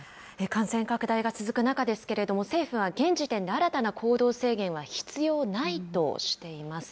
感染拡大が続く中ですけれども、政府は現時点で新たな行動制限は必要ないとしています。